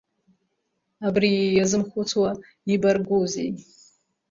Абри иазымхәыцуа ибаргузеи!